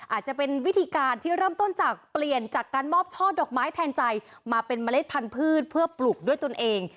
อาจจะเป็นวิธีการที่เริ่มต้นจากเปลี่ยนจากการมอบช่อดอกไม้แทนใจมาเป็นเมล็ดพันธุ์เพื่อปลูกด้วยตนเอง